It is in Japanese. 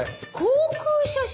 航空写真？